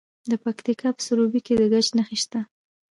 د پکتیکا په سروبي کې د ګچ نښې شته.